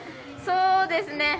そうですね。